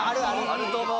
あると思う。